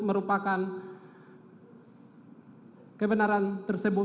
merupakan kebenaran tersebut